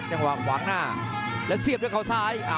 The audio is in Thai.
จังหวะขวางหน้าแล้วเสียบด้วยเขาซ้าย